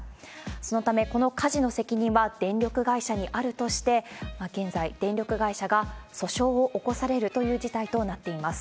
そのため、この火事の責任は電力会社にあるとして、現在、電力会社が訴訟を起こされるという事態となっています。